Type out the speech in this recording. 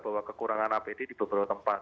bahwa kekurangan apd di beberapa tempat